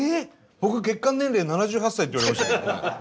僕血管年齢７８歳って言われましたけど。